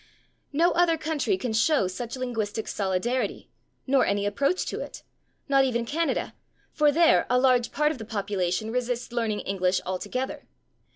" No other country can show such linguistic solidarity, nor any approach to it not even Canada, for there a large part of the population resists learning English altogether.